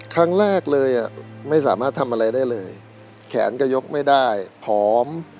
ครั้งแรกเลยไม่สามารถทำอะไรได้เลยแขนก็ยกไม่ได้ผอม